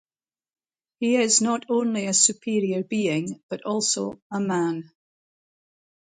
He is not only a superior being, but also a man.